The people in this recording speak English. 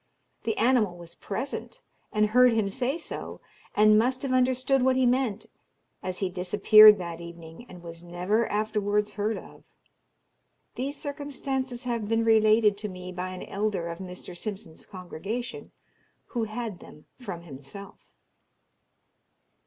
The animal was present, and heard him say so, and must have understood what he meant, as he disappeared that evening, and was never afterwards heard of. These circumstances have been related to me by an elder of Mr. Simpson's congregation, who had them from himself.